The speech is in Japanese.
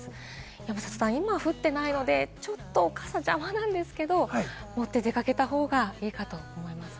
山里さん、今降ってないのでちょっと傘、邪魔なんですけど持って出かけた方がいいかと思いますね。